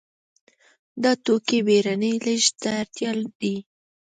دا توکي بېړنۍ لېږد ته تیار دي.